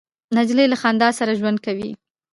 نجلۍ له خندا سره ژوند کوي.